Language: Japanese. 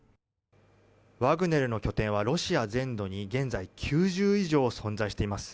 ワグネルの拠点はロシア全土に現在９０以上存在しています。